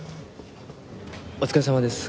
お疲れさまです。